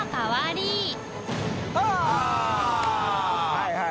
はいはい。